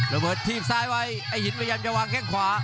ระเบิดถีบซ้ายไว้ไอ้หินพยายามจะวางแข้งขวา